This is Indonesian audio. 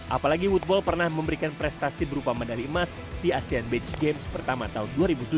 apalagi woodball pernah memberikan prestasi berupa medali emas di asean beach games pertama tahun dua ribu tujuh